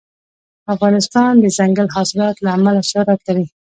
افغانستان د دځنګل حاصلات له امله شهرت لري.